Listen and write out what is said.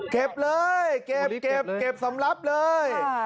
เก็บเลยเก็บสำรับเลย